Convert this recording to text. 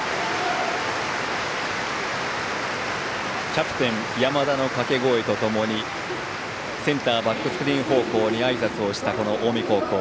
キャプテン、山田の掛け声とともにセンターバックスクリーン方向にあいさつをした近江高校。